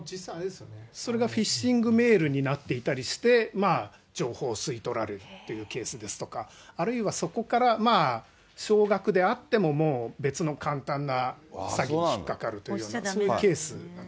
それがフィッシングメールになっていたりして、まあ、情報吸い取られるっていうケースですとか、あるいは、そこから少額であっても、もう別の簡単な詐欺に引っかかるというような、そういうケースなんか。